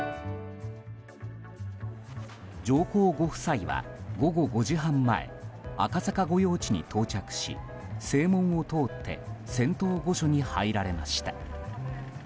上皇ご夫妻は午後５時半前赤坂御用地に到着し正門を通って仙洞御所に入られました。